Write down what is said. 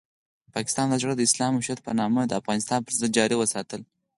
پاکستان دا جګړه د اسلام او شریعت په نامه د افغانستان پرضد جاري وساتله.